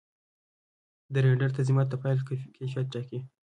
د رېنډر تنظیمات د فایل کیفیت ټاکي.